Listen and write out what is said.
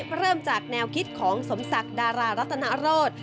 เริ่มจากแนวคิดของสมศักดารารัตนโรธ